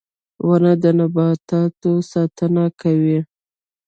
• ونه د نباتاتو ساتنه کوي.